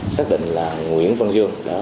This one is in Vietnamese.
xác định là nguyễn văn dương